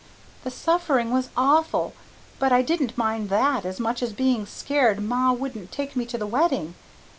The SUFFERING was awful but I didn't mind that as much as being scared ma wouldn't take me to the wedding.